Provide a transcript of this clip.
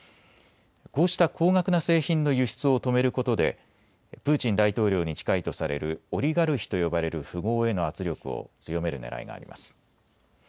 こうした高額な製品の輸出を止めることでプーチン大統領に近いとされるオリガルヒと呼ばれる富豪への圧力を強めるねらいがあります。